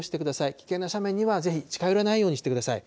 危険な斜面にはぜひ近寄らないようにしてください。